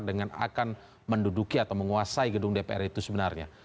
dengan akan menduduki atau menguasai gedung dpr itu sebenarnya